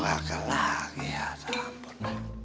laka lagi ya ampun